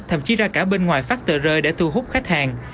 thậm chí ra cả bên ngoài phát tờ rơi để thu hút khách hàng